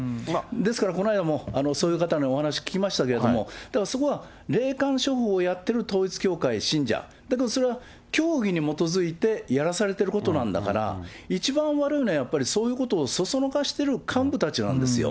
ですからこの間も、そういう方にお話聞きましたけれども、だからそこは、霊感商法をやってる統一教会信者、だけどそれは教義に基づいてやらされてることなんだから、一番悪いのはやっぱり、そういうことをそそのかしている幹部たちなんですよ。